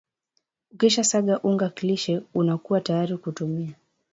ukisha saga unga klishe unakua tayari kutumia